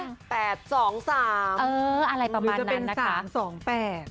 ๘๒๓เอออะไรประมาณนั้นนะคะหรือจะเป็น๓๒๘